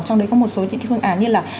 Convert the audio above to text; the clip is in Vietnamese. trong đấy có một số những cái phương án như là